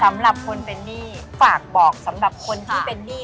สำหรับคนเป็นหนี้ฝากบอกสำหรับคนที่เป็นหนี้